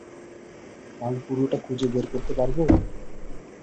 কাল পুরোটা খুঁজে বের কররে পারবো।